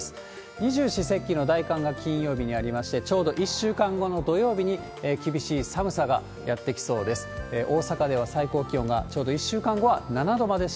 二十四節気の大寒が金曜日にありまして、ちょうど１週間後の土曜日に厳しい寒さがやって来そうです。